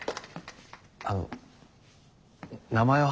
あの名前は？